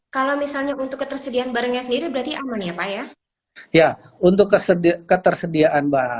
kalau misalnya untuk ketersediaan barangnya sendiri berarti aman ya pak ya